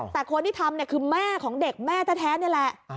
แต่คนที่ทำเนี่ยคือแม่ของเด็กแม่แท้นี่แหละ